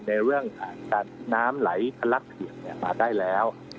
ในเรื่องการน้ำไหลทะลักเขียงมาได้แล้ว